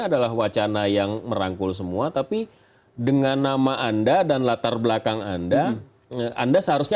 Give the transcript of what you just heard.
adalah wacana yang merangkul semua tapi dengan nama anda dan latar belakang anda anda seharusnya